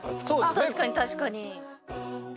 あ確かに確かに。